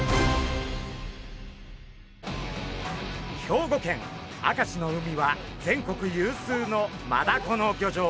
兵庫県明石の海は全国有数のマダコの漁場。